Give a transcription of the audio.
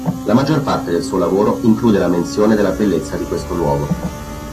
La maggior parte del suo lavoro include la menzione della bellezza di questo luogo.